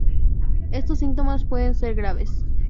Estos síntomas pueden ser graves.